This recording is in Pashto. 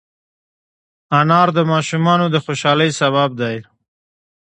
انار د ماشومانو د خوشحالۍ سبب دی.